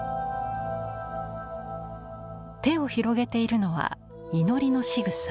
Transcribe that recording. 手を広げているのは祈りのしぐさ。